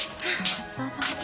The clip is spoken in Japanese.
ごちそうさまでした。